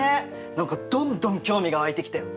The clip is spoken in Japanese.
何かどんどん興味が湧いてきたよ。